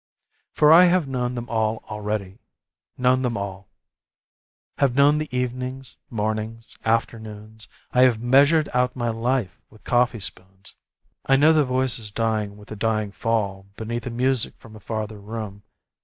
For I have known them all already, known them all: Have known the evenings, mornings, afternoons, I have measured out my life with coffee spoons; I know the voices dying with a dying fall Beneath the music from a farther room.